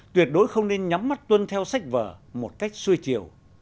tuyệt đối không nên nhắm mắt tuân theo sách vở một cách xuôi chiều